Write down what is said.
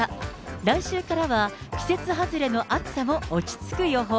来週からは季節外れの暑さも落ち着く予報。